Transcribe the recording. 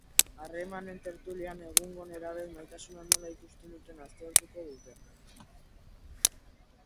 Harremanen tertulian, egungo nerabeek maitasuna nola ikusten duten aztertuko dute.